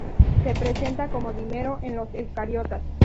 Se presenta como dímero en los eucariotas.